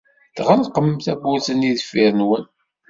Tɣelqem tawwurt-nni deffir-nwen.